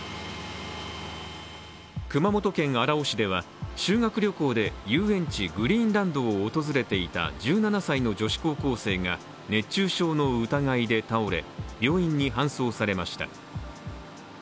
熊本県荒尾市では、修学旅行で遊園地・グリーンランドを訪れていた１７歳の女子高校生が熱中症の疑いで倒れ、病院に搬送されました。